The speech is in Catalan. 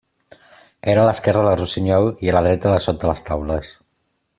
Era a l'esquerra del Rossinyol i a la dreta del Sot de les Taules.